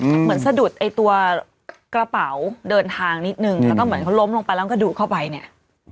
เหมือนสะดุดไอ้ตัวกระเป๋าเดินทางนิดนึงแล้วก็เหมือนเขาล้มลงไปแล้วก็ดูดเข้าไปเนี่ย